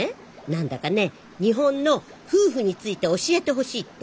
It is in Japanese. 何だかね日本の夫婦について教えてほしいって。